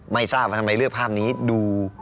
ไม่ทราบว่าทำไมเลือกภาพนี้ดู